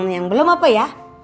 yang belum apa ya